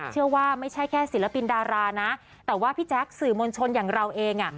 เชื่อว่าไม่ใช่แค่ศิลปินดารานะแต่ว่าพี่แจ๊คสื่อมวลชนอย่างเราเองอ่ะ